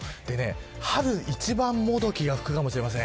春一番もどきが吹くかもしれません。